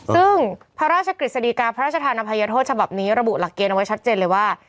ซึ่งพระราชกฤษฎีกาพระราชธานภัยโทษฉบับนี้ระบุหลักเกณฑ์เอาไว้ชัดเจนเลยว่า